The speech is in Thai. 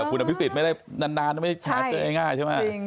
คุณพิสิทธิ์ไม่ได้นานเจอง่ายใช่ไหม